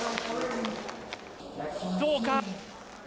どうか！？